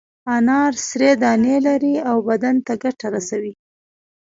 انار سرې دانې لري او بدن ته ګټه رسوي.